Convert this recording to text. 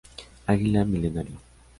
Águila Milenaria.